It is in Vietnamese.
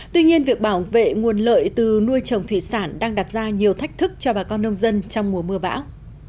tuy nhiên việc bảo vệ nguồn lợi từ nuôi trồng thủy sản đang đặt ra nhiều thách thức cho bà con nông dân trong mùa mưa bão